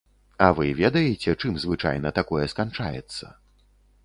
А вы ведаеце, чым звычайна такое сканчаецца.